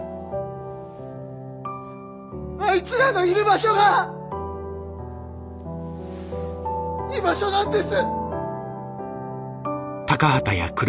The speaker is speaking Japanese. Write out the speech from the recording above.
あいつらのいる場所が居場所なんです。